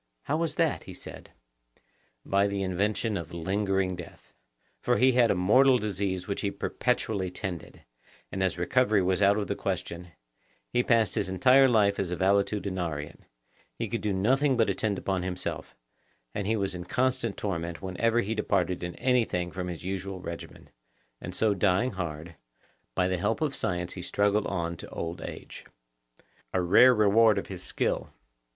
How was that? he said. By the invention of lingering death; for he had a mortal disease which he perpetually tended, and as recovery was out of the question, he passed his entire life as a valetudinarian; he could do nothing but attend upon himself, and he was in constant torment whenever he departed in anything from his usual regimen, and so dying hard, by the help of science he struggled on to old age. A rare reward of his skill!